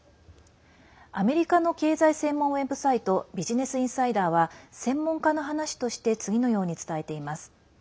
アメリカの経済専門ウェブサイトビジネスインサイダーは専門家の話として次のように伝えています。